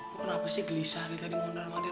kenapa sih gelisah tadi mondar mandir